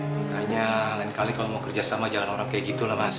makanya lain kali kalau mau kerjasama jangan orang kayak gitu lah mas